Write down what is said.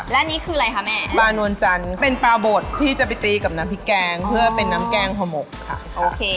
และอันนี้คืออะไรคะแม่ปลานวลจันทร์เป็นปลาบดที่จะไปตีกับน้ำพริกแกงเพื่อเป็นน้ำแกงห่อหมกค่ะโอเค